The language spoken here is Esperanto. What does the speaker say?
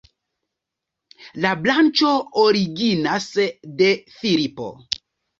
La branĉo originas de Filipo.